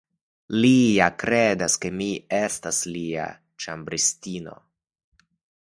Li ja kredas ke mi estas lia ĉambristino.